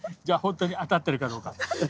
じゃほんとに当たってるかどうか。